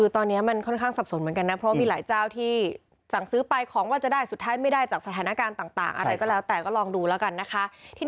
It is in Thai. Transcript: ตอนนี้มันค่อนข้างสับสนเหมือนกันนะเพราะว่ามีหลายเจ้าที่สั่งซื้อไปของว่าจะได้สุดท้ายไม่ได้จากสถานการณ์ต่างอะไรก็แล้วแต่ก็ลองดูแล้วกันนะคะ